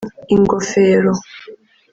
ingofero